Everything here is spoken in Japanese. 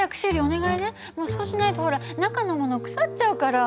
そうしないとほら中のもの腐っちゃうから。